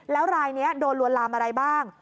แล้วรายนี้โดนลวนลามอะไรบ้าง